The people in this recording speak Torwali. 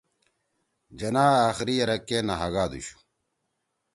جناح آخری یرَک کے نہ ہاگادُوشُو